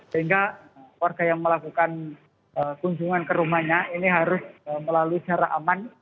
sehingga warga yang melakukan kunjungan ke rumahnya ini harus melalui cara aman